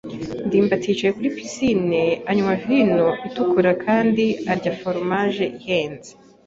ndimbati yicaye kuri pisine anywa vino itukura kandi arya foromaje ihenze.